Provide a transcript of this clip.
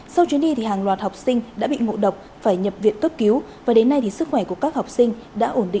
sau chuyến đi hàng loạt học sinh đã bị ngộ độc phải nhập viện cấp cứu và đến nay sức khỏe của các học sinh đã ổn định